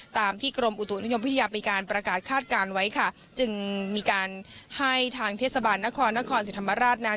ตามที่กรมอุตุนิยมวิทยามีการประกาศคาดการณ์ไว้ค่ะจึงมีการให้ทางเทศบาลนครนครศรีธรรมราชนั้น